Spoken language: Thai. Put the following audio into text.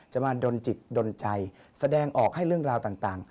จะมาดนจิตดนใจแสดงออกให้เรื่องราวต่าง